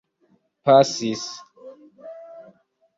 pasis